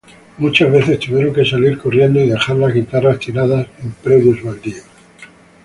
Muchas veces tuvieron que salir corriendo y dejar las guitarras tiradas en predios baldíos.